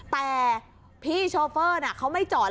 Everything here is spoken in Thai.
แต่ที่ชอเฟอร์ไม่จอด